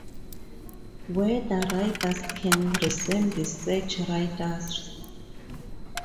Weather radars can resemble search radars.